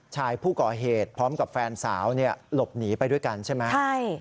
ชายผู้ก่อเหตุพร้อมกับแฟนสาวหลบหนีไปด้วยกันใช่ไหม